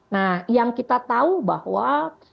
nah yang kita tahu bahwa